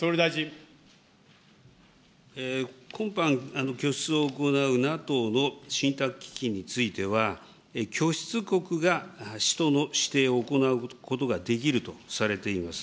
今般、拠出を行うＮＡＴＯの信託基金については、拠出国が使途の指定を行うことができるとされています。